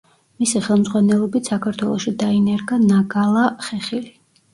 მისი ხელმძღვანელობით საქართველოში დაინერგა ნაგალა ხეხილი.